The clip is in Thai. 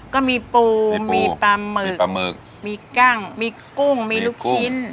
ก็มีปูมีปลาหมึกมีกล้างมีกุ้งมีลูกชิ้น